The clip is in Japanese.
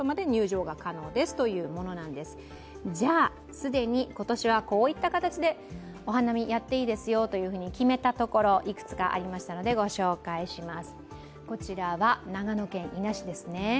既に今年はこういった形でお花見やっていいですよというふうに決めたところいくつかありましたので、ご紹介します。